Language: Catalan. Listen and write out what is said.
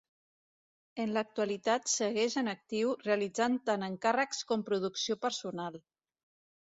En l'actualitat segueix en actiu realitzant tant encàrrecs com producció personal.